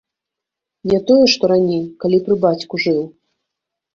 Не тое, што раней, калі пры бацьку жыў.